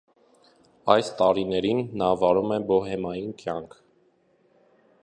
Այս տարիներին նա վարում է բոհեմային կյանք։